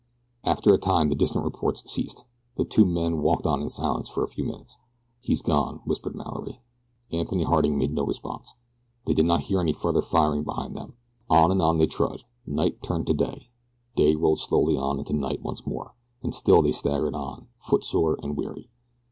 After a time the distant reports ceased. The two walked on in silence for a few minutes. "He's gone," whispered Mallory. Anthony Harding made no response. They did not hear any further firing behind them. On and on they trudged. Night turned to day. Day rolled slowly on into night once more. And still they staggered on, footsore and weary.